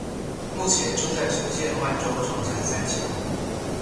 目前正在修建万州长江三桥。